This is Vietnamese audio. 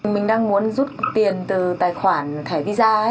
mình đang muốn rút tiền từ tài khoản thẻ visa